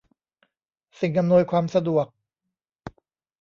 สิ่งอำนวยความสะดวก